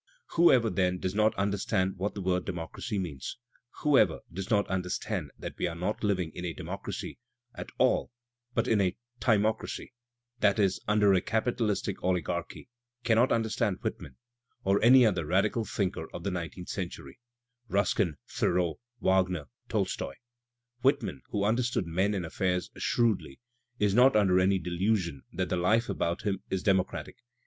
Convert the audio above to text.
Whoever, then, does not understand what the word "democracy" means, whoever does not understand that we are not living in a democracy at all but in a timo cracy, that is, under a capitalistic oligarchy, cannot understand Whitman — or any other radical thinker of the nineteenth century, Ruskin, Thoreau, Wagner, Tolstoy. Whitman, who understood men and affairs shrewdly. Digitized by Google WHITMAN 215 is not under any delusion that the lite about him is democratic.